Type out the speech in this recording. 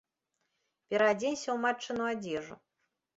Пераадзенься ў матчыну адзежу.